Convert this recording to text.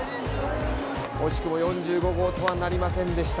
惜しくも４５号とはなりませんでした。